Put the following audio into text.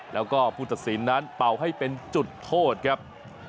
แล้วก็ผู้ตัดสินนั้นเป่าให้เป็นจุดโทษครับ